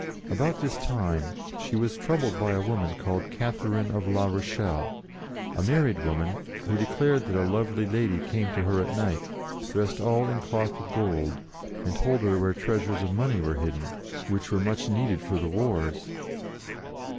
About this time she was troubled by a woman called Catherine of La Rochelle, a married woman, who declared that a lovely 8o JOAN OF ARC lady came to her at night, dressed all in cloth of gold, and told her where trea sures of money were hidden, which were much needed for the wars.